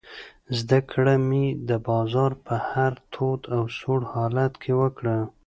زده کړه مې د بازار په هر تود او سوړ حالت کې وکړه.